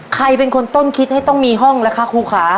ใครเป็นคนต้นคิดให้ต้องมีห้องล่ะคะครูขา